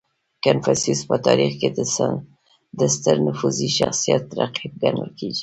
• کنفوسیوس په تاریخ کې د ستر نفوذي شخص رقیب ګڼل کېږي.